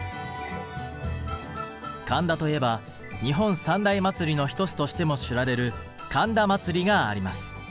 神田といえば日本三大祭りの一つとしても知られる神田祭があります。